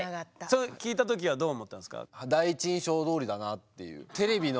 それ聞いた時はどう思ったんですか？